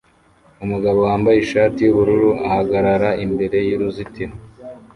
Umugabo wambaye ishati yubururu ahagarara imbere yuruzitiro